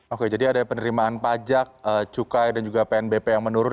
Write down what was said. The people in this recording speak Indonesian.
oke jadi ada penerimaan pajak cukai dan juga pnbp yang menurun